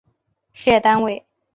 事业单位